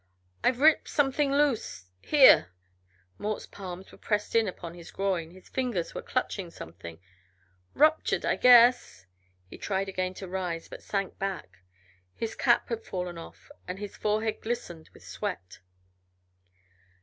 "I've ripped something loose here." Mort's palms were pressed in upon his groin, his fingers were clutching something. "Ruptured I guess." He tried again to rise, but sank back. His cap had fallen off and his forehead glistened with sweat.